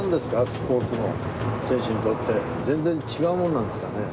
スポーツの選手にとって全然違うものなんですかね？